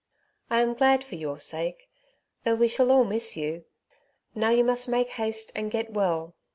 '' I am glad for your sake, though we shall all miss you. Now you must make haste and get well.